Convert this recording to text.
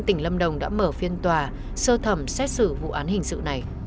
tỉnh lâm đồng đã mở phiên tòa sơ thẩm xét xử vụ án hình sự này